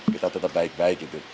kita tetap baik baik gitu